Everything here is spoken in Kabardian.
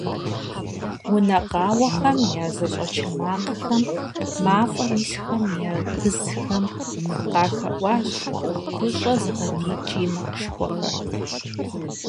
Унэ къауэхэм я зэщӀэчэ макъхэм, мафӀэм исхэм я гызхэм къахэӀуащ гущӀэ зыгъэдий кӀий макъышхуэхэр.